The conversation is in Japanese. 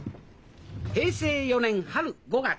平成４年春５月。